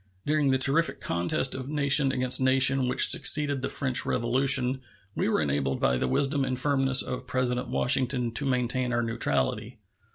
During the terrific contest of nation against nation which succeeded the French Revolution we were enabled by the wisdom and firmness of President Washington to maintain our neutrality.